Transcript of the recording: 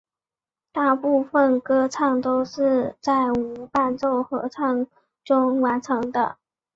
大部分歌唱都是在无伴奏合唱中完成的。